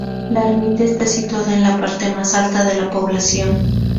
La ermita está situada en la parte más alta de la población.